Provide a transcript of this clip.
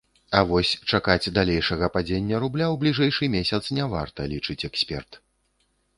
А вось чакаць далейшага падзення рубля ў бліжэйшы месяц не варта, лічыць эксперт.